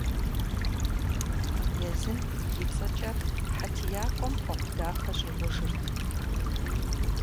Езым и цӀэкӀэ хьэтиякӀуэм хъуэхъу дахэ щӀигъужырт.